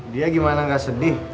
dia gimana gak sedih